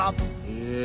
へえ。